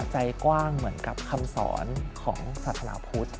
ใจกว้างเหมือนกับคำสอนของศาสนาพุทธ